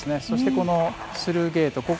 そして、スルーゲート。